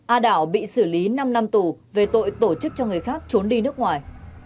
a đảo bị xử lý năm năm tù về tội tổ chức cho người khác trốn đi nước ngoài